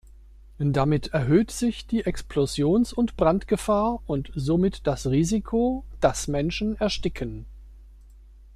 Damit erhöht sich die Explosions- und Brandgefahr und somit das Risiko, dass Menschen ersticken.